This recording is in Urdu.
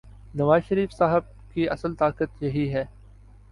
نوازشریف صاحب کی اصل طاقت یہی ہے۔